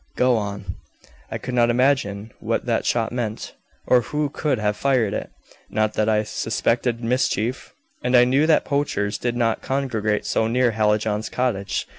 "Go on." "I could not imagine what that shot meant, or who could have fired it not that I suspected mischief and I knew that poachers did not congregate so near Hallijohn's cottage.